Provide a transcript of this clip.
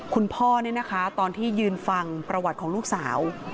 คุณพ่อเนี่ยนะคะตอนที่ยืนฟังประวัติของลูกสาว